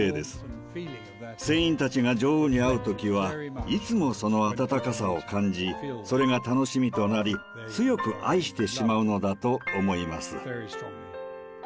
船員たちが女王に会う時はいつもその温かさを感じそれが楽しみとなり強く愛してしまうのだと思います。